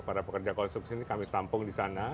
jadi kita masuk sini kami tampung disana